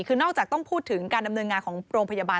คือนอกจากต้องพูดถึงการดำเนินงานของโรงพยาบาล